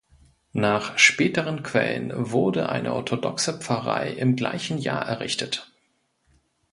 Nach späteren Quellen wurde eine orthodoxe Pfarrei im gleichen Jahr errichtet.